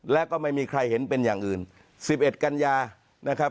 แล้วก็ไม่มีใครเห็นเป็นอย่างอื่น๑๑กันยานะครับ